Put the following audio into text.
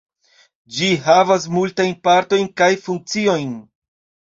Ĝi havas multajn partojn kaj funkciojn.